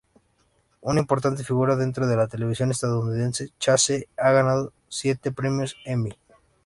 Una importante figura dentro de la televisión estadounidense, Chase ha ganado siete premios Emmy.